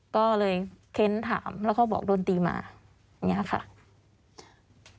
ก็เลยเค้นถามแล้วเขาบอกโดนตีมาอย่างนี้ค่ะ